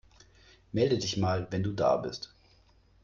Melde dich mal, wenn du da bist.